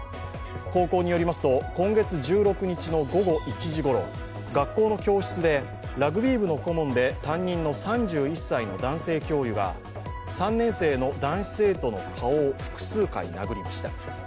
高校によりますと、今月１６日の午後１時ごろ学校の教室でラグビー部の顧問で担任の３１歳の男性教諭が３年生の男子生徒の顔を複数回殴りました。